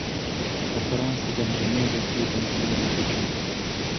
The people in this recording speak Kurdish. Referansa demjimêrekê, demjimêreke din e.